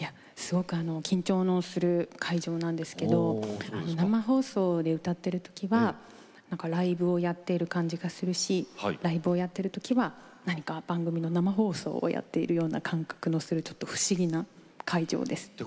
緊張する会場なんですが生放送で歌っている時はライブをやっている感じがするしライブをやってる時は何か番組の生放送やってるような感覚のするちょっと不思議な会場です。